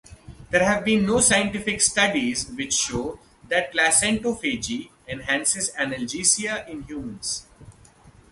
There have been no scientific studies which show that placentophagy enhances analgesia in humans.